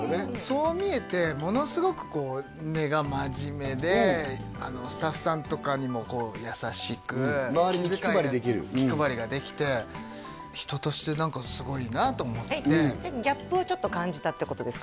そう見えてものすごくこう根が真面目でスタッフさんとかにも優しく周りに気配りできる気配りができてギャップをちょっと感じたってことですか？